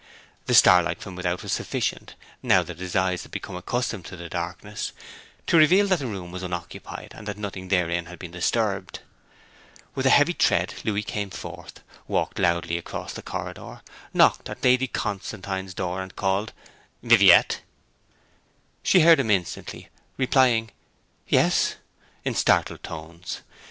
The starlight from without was sufficient, now that his eyes had become accustomed to the darkness, to reveal that the room was unoccupied, and that nothing therein had been disturbed. With a heavy tread Louis came forth, walked loudly across the corridor, knocked at Lady Constantine's door, and called 'Viviette!' She heard him instantly, replying 'Yes' in startled tones.